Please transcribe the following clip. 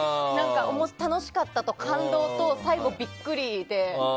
楽しかったと感動と最後、ビックリで。